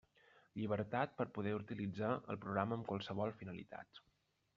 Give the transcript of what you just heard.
Llibertat per poder utilitzar el programa amb qualsevol finalitat.